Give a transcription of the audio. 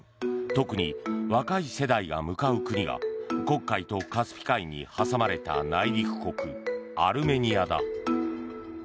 特に若い世代が向かう国が黒海とカスピ海に挟まれた内陸国アルメニアだ。